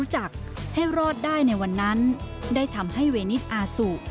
จักรให้รอดได้ในวันนั้นได้ทำให้เวนิสอาสุ